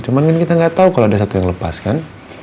cuman kan kita gak tau kalo ada satu yang lepas kan